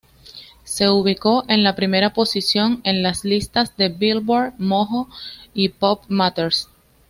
Se ubicó en la primera posición en las listas de "Billboard", "Mojo" y "PopMatters".